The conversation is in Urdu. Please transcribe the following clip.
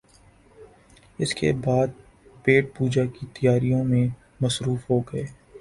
اس کے بعد پیٹ پوجا کی تیاریوں میں مصروف ہو گئے